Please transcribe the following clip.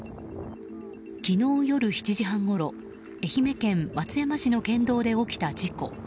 昨日夜７時半ごろ愛媛県松山市の県道で起きた事故。